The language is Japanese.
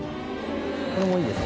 これもいいです